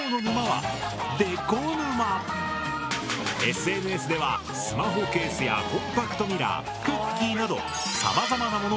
ＳＮＳではスマホケースやコンパクトミラークッキーなどさまざまなぬぬ！